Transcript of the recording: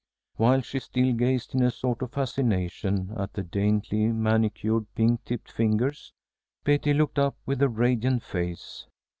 While she still gazed in a sort of fascination at the daintily manicured pink tipped fingers, Betty looked up with a radiant face.